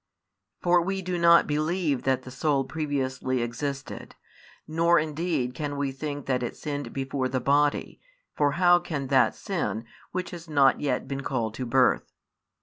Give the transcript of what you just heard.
For we do not believe that the soul previously existed; nor indeed can we think that it sinned before the body, for how can that sin, which has not yet been called to birth?